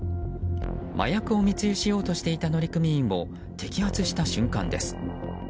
麻薬を密輸しようとしていた乗組員を摘発した瞬間です。